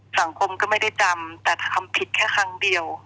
สังคมก็ไม่ได้จำแต่ทำผิดแค่ครั้งเดียว